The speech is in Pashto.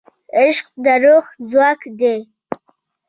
عشق د روح ځواک دی.